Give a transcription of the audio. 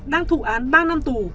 đang thụ án ba năm tù